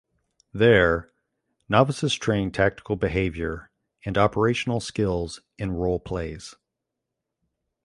There novices train tactical behaviour and operational skills in role plays.